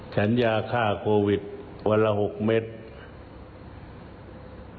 สัญญาฆ่าโควิดวันละ๖เมตร